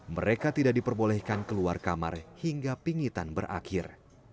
mereka tidak diperbolehkan keluar kamar hingga pingitan berakhir